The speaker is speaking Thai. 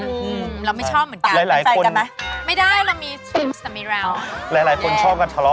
เข้าไปอ่านสนุกมากเลยยิงตอนเข้าห้องน้ำน่ะ